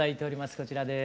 こちらです。